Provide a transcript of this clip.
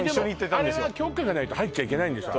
あれは許可がないと入っちゃいけないんでしょ？